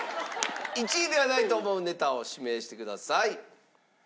１位ではないと思うネタを指名してください。